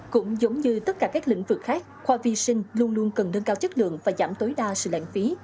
cũng giống như tất cả các lĩnh vực khác khoa vi sinh luôn luôn cần nâng cao chất lượng và giảm tối đa sự lãng phí